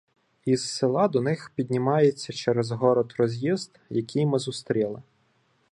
Із села до них піднімається через город роз'їзд, який ми зустріли.